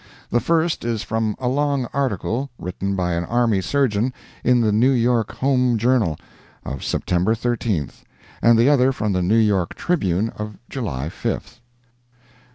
The first is from a long article, written by an army surgeon, in the N. Y. Home Journal of September 13th, and the other from the N. Y Tribune of July 5th...